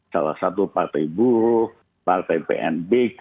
salah satu partai buruh partai pnbk